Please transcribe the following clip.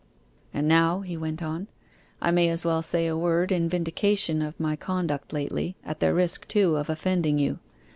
'And now,' he went on, 'I may as well say a word in vindication of my conduct lately, at the risk, too, of offending you.